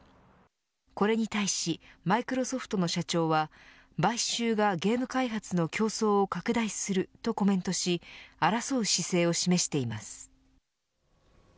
これに対しマイクロソフトの社長は買収がゲーム開発の競争を拡大するとコメントし争う姿勢を示しています。